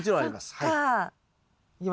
はい。